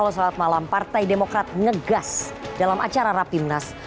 halo selamat malam partai demokrat ngegas dalam acara rapimnas